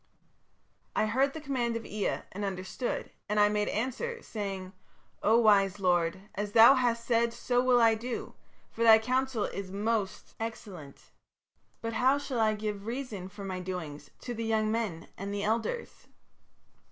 "I heard the command of Ea and understood, and I made answer, saying, 'O wise lord, as thou hast said so will I do, for thy counsel is most excellent. But how shall I give reason for my doings to the young men and the elders?'